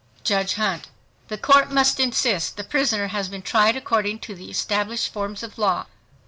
JUDGE HUNT—The Court must insist the prisoner has been tried according to the established forms of law.